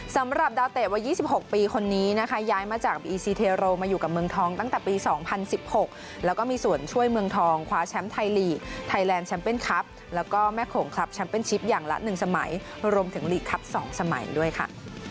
สำหรับดาวเตะวัย๒๖ปีคนนี้นะคะย้ายมาจากบีซีเทโรมาอยู่กับเมืองทองตั้งแต่ปี๒๐๑๖แล้วก็มีส่วนช่วยเมืองทองคว้าแชมป์ไทยลีกไทยแลนด์แชมเปญครับแล้วก็แม่โขงคลับแชมป์เป็นชิปอย่างละ๑สมัยรวมถึงลีกครับ๒สมัยด้วยค่ะ